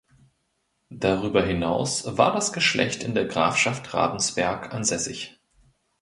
Darüber hinaus war das Geschlecht in der Grafschaft Ravensberg ansässig.